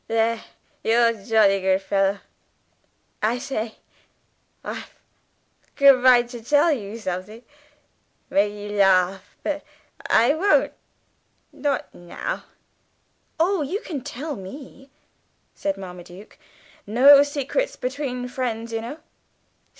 There, you're jolly good fellow. I say, I've goo' mind tell you something. Make you laugh. But I won't; not now." "Oh, you can tell me," said Marmaduke. "No secrets between friends, you know."